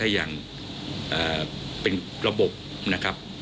อย่างเป็นระบบนะครับ